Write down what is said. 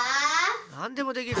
なんでもできる。